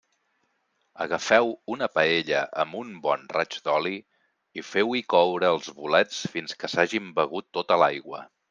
Agafeu una paella amb un bon raig d'oli i feu-hi coure els bolets fins que s'hagin begut tota l'aigua.